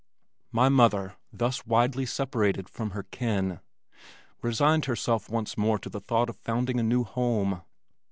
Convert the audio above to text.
My mother, thus widely separated from her kin, resigned herself once more to the thought of founding a new home.